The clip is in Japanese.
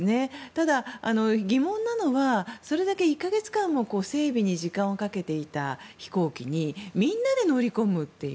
ただ、疑問なのはそれだけ１か月間も整備に時間をかけていた飛行機にみんなで乗り込むという。